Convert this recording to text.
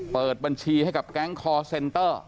เปิดบัญชีให้กับแก๊งคอร์เซนเตอร์